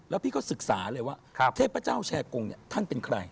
แล้วพี่ก็ศึกษาเลยว่าเทพเจ้าแชร์กงท่านเป็นใคร